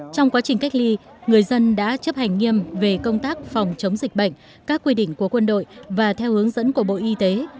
trong quá trình cách ly người dân đã chấp hành nghiêm về công tác phòng chống dịch bệnh các quy định của quân đội và theo hướng dẫn của bộ y tế